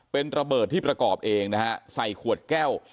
เป็นระเบิดที่ประกอบเองนะฮะใส่ขวดแก้ว